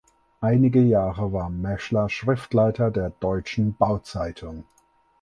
Einige Jahre war Mächler Schriftleiter der "Deutschen Bauzeitung".